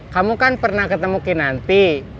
kamu kan pernah ketemu kinanti